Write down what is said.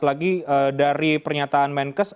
lagi dari pernyataan menkes